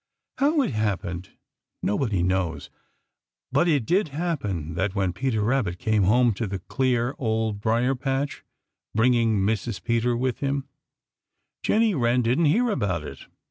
How it happened nobody knows, but it did happen that when Peter Rabbit came home to the clear Old Briar patch, bringing Mrs. Peter with him, Jenny Wren didn't hear about it.